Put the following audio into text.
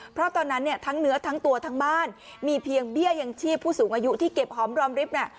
เพราะตอนนั้นเนี่ยทั้งเนื้อทั้งตัวทั้งบ้านมีเพียงเบี้ยยังชีพผู้สูงอายุที่เก็บหอมรอมริบเนี่ย